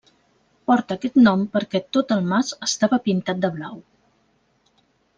Porta aquest nom perquè tot el mas estava pintat de blau.